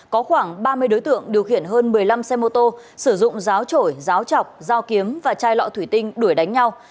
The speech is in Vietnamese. có khoảng ba mươi đối tượng điều khiển hơn một mươi năm xe mô tô sử dụng ráo trổi ráo chọc dao kiếm và chai lọ thủy tinh đuổi đánh nhau